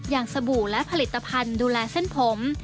สบู่และผลิตภัณฑ์ดูแลเส้นผม